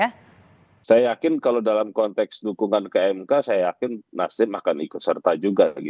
ya betul saya yakin kalau dalam konteks dukungan kmk saya yakin nasdum akan ikut serta juga